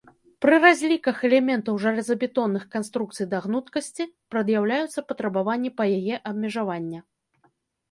Пры разліках элементаў жалезабетонных канструкцый да гнуткасці прад'яўляюцца патрабаванні па яе абмежавання.